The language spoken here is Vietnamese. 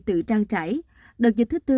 tự trang trải đợt dịch thứ tư